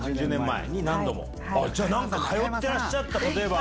何か通ってらっしゃった。